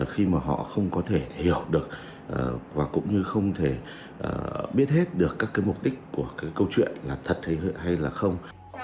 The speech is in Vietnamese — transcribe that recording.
khi mà họ không có thể hiểu được và cũng như không thể biết hết được các cái mục đích của cái câu chuyện là thật hay là không